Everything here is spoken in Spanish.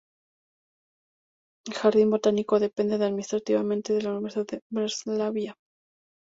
El jardín botánico depende administrativamente de la Universidad de Breslavia.